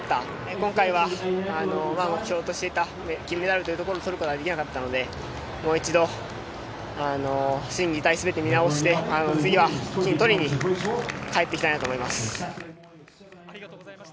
今回は目標としていた金メダルをとることはできなかったのでもう一度心技体、全て見直して次は金をとりに帰ってきたいと思います。